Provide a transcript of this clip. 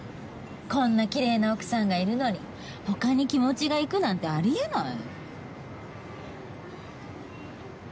こんなきれいな奥さんがいるのに他に気持ちがいくなんてあり得ない。